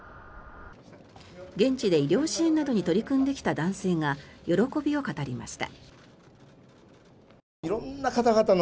現地で医療支援などに取り組んできた男性が喜びを語りました。